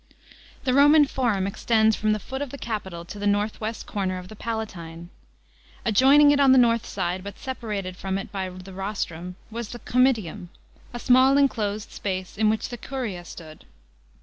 § 2. The Roman Forum extends from the foot of the Capitol to the north west corner of the Palatine. Adjoining it on the north side, but separated from it by the rostrum, was the Comitium, a small enclosed space in which the Curia stood.